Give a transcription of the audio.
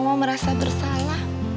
ma merasa bersalah